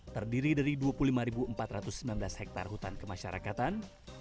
terdiri dari dua puluh lima empat ratus sembilan belas hektare hutan kemasyarakatan